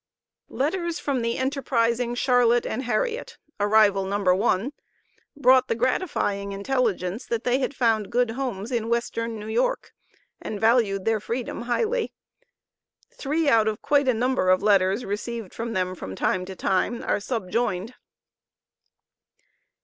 Letters from the enterprising Charlotte and Harriet (arrival No. 1), brought the gratifying intelligence, that they had found good homes in Western New York, and valued their freedom highly. Three out of quite a number of letters received from them from time to time are subjoined.